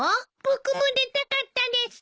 僕も出たかったです。